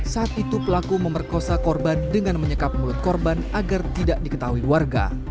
saat itu pelaku memerkosa korban dengan menyekap mulut korban agar tidak diketahui warga